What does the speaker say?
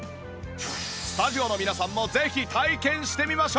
スタジオの皆さんもぜひ体験してみましょう！